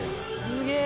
すげえ！